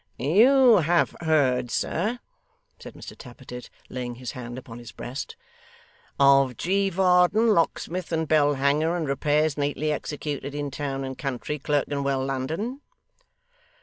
'You have heard, sir,' said Mr Tappertit, laying his hand upon his breast, 'of G. Varden Locksmith and bell hanger and repairs neatly executed in town and country, Clerkenwell, London?